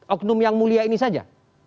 oknum yang mulia ini saja